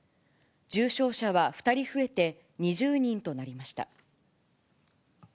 重症者は２人増えて２０人となりました。